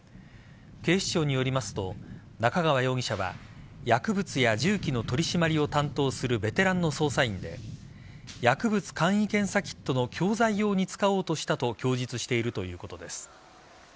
警視庁によりますと中川容疑者は薬物や銃器の取り締まりを担当するベテランの捜査員で薬物簡易検査キットの教材用に使おうとしたと供述しているということです。